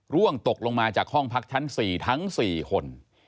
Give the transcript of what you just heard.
ร่วงตกลงมาจากห้องพักชั้น๔ทั้ง๔คน